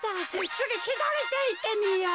つぎひだりていってみよう。